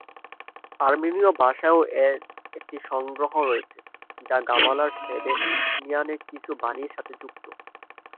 আর্মেনীয় ভাষায়ও এর একটি সংগ্রহ রয়েছে, যা গাবালার সেভেরিয়ানের কিছু বাণীর সাথে যুক্ত।